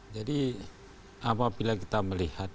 jadi apabila kita melihat